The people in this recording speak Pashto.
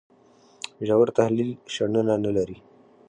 ژور تحلیل شننه نه لري.